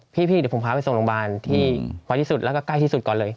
พี่เดี๋ยวผมพาไปส่งโรงพยาบาลที่ไว้ที่สุดแล้วก็ใกล้ที่สุดก่อนเลย